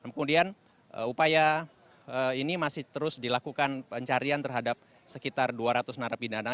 kemudian upaya ini masih terus dilakukan pencarian terhadap sekitar dua ratus narapidana